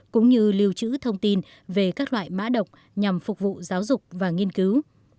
cũng như lưu trữ thông tin về các loại mã độc nhằm phục vụ giáo dục và nghiên cứu